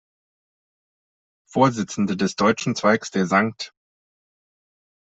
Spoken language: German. Vorsitzende des deutschen Zweigs der „St.